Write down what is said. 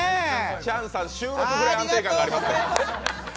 チャンさん収録ぐらい安定感がある。